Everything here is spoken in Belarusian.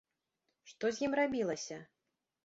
Што з ім рабілася?